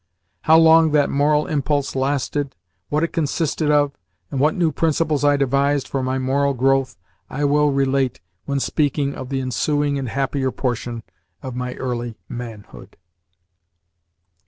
How long that moral impulse lasted, what it consisted of, and what new principles I devised for my moral growth I will relate when speaking of the ensuing and happier portion of my early manhood.